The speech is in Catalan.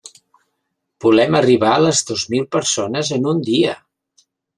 Volem arribar a les dos mil persones en un dia!